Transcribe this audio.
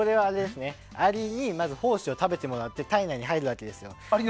アリに胞子を食べてもらって体内に入るだけです。